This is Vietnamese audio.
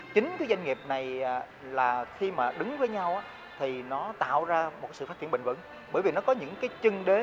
chính cái doanh nghiệp này là khi mà đứng với nhau thì nó tạo ra một sự phát triển bình vẩn bởi vì nó có những cái chân đế